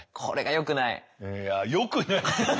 いや「良くない」！？